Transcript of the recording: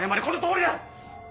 このとおりだ！